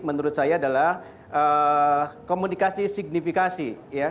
menurut saya adalah komunikasi signifikasi